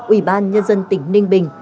ủy ban nhân dân tỉnh ninh bình